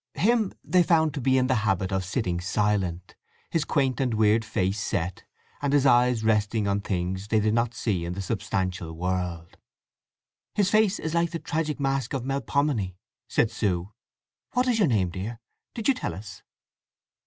Him they found to be in the habit of sitting silent, his quaint and weird face set, and his eyes resting on things they did not see in the substantial world. "His face is like the tragic mask of Melpomene," said Sue. "What is your name, dear? Did you tell us?"